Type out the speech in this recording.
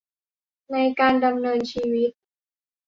ในการดำเนินชีวิต